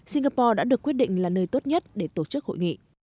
singapore đã được quyết định là nơi tốt nhất để tổ chức hội nghị